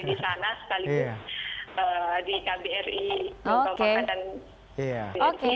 jadi di sana sekaligus di kbri kota pakatan